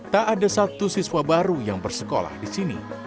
tak ada satu siswa baru yang bersekolah di sini